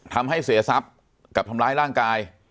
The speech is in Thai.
ทำให้เสียทรัพย์กับทำร้ายร่างกาย